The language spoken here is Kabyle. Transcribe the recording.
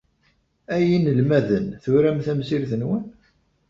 Ay inelmaden, turam tamsirt-nwen?